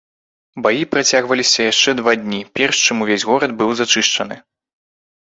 Баі працягваліся яшчэ два дні, перш чым увесь горад быў зачышчаны.